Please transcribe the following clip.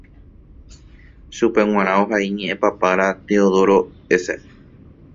Chupe g̃uarã ohai ñeʼẽpapára Teodoro S.